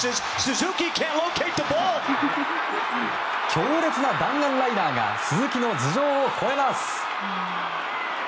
強烈な弾丸ライナーが鈴木の頭上を越えます。